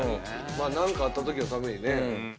まあなんかあった時のためにね。